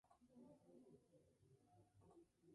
La ciudad es sede de varios grandes festivales.